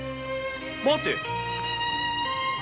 待て！